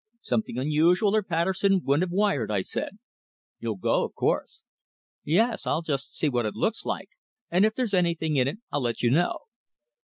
"Something unusual, or Patterson wouldn't have wired," I said. "You'll go, of course?" "Yes. I'll just see what it looks like, and if there's anything in it I'll let you know."